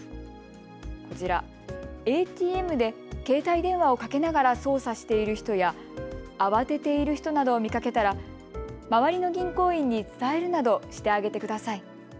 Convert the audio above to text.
こちら、ＡＴＭで携帯電話をかけながら操作している人や慌てている人などを見かけたら周りの銀行員に伝えるなどしてあげてください。